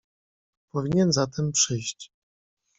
"Powinien zatem przyjść."